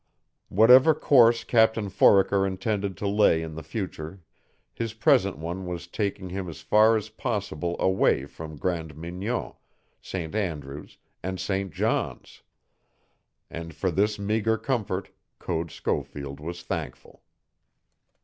Whatever course Captain Foraker intended to lay in the future his present one was taking him as far as possible away from Grande Mignon, St. Andrew's, and St. John's. And for this meager comfort Code Schofield was thankful.